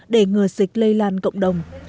để ngừa dịch lây lan cộng đồng